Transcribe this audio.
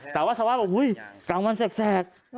แต่ว่าชาวบ้านบอกกลางวันแสก